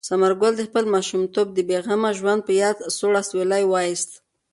ثمر ګل د خپل ماشومتوب د بې غمه ژوند په یاد سوړ اسویلی وایست.